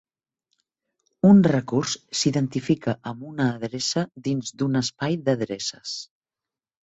Un recurs s'identifica amb una "adreça" dins d'un "espai d'adreces".